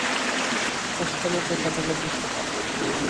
টাস্কানিতে কাটানো গ্রীষ্মকাল।